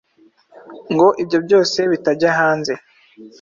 ngo ibyo byose bitajya hanze